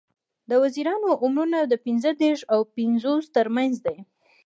د وزیرانو عمرونه د پینځه دیرش او پینځوس تر منځ دي.